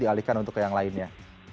dialihkan untuk yang lainnya